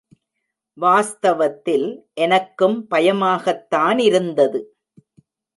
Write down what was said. வாஸ்தவத்தில் எனக்கும் பயமாகத்தானிருந்தது.